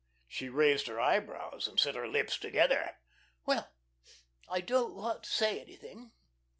She raised her eyebrows and set her lips together. "Well, I don't want to say anything."